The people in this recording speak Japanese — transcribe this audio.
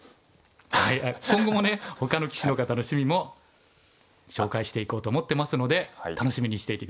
今後もねほかの棋士の方の趣味も紹介していこうと思ってますので楽しみにしていて下さい。